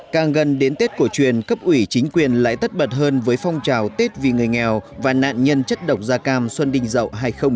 càng gần đến tết của truyền cấp ủy chính quyền lại tất bật hơn với phong trào tết vì người nghèo và nạn nhân chất độc da cam xuân đinh dậu hai nghìn một mươi bảy